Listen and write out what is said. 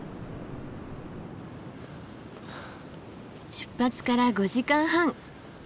出発から５時間半。